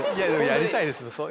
やりたいですね